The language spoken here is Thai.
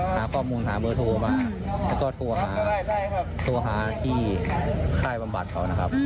หาข้อมูลหาเบอร์โทรมาแล้วก็โทรหาโทรหาที่ค่ายบำบัดเขานะครับ